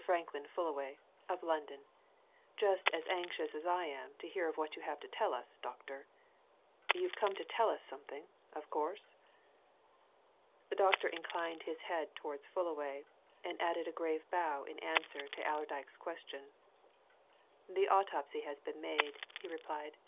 Franklin Fullaway, of London just as anxious as I am to hear what you have to tell us, doctor. You've come to tell something, of course?" The doctor inclined his head towards Fullaway, and added a grave bow in answer to Allerdyke's question. "The autopsy has been made," he replied.